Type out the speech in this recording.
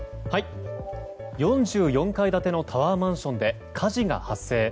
４４階建てのタワーマンションで火事が発生。